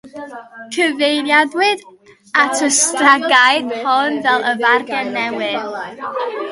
Cyfeiriwyd at y strategaeth hon fel "Y Fargen Newydd".